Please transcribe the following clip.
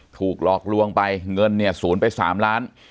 ถูกหลอกลวงไปเงินเนี่ยศูนย์ไป๓ล้าน